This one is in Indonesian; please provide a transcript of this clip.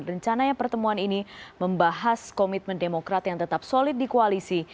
rencananya pertemuan ini membahas komitmen demokrat yang tetap solid di koalisi